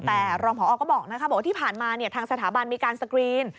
แต่รองพอก็บอกว่าที่ผ่านมาทางสถาบันมีการสกรีน